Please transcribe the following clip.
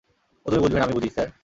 ও তুমি বুঝবে না আমি বুঝি, স্যার।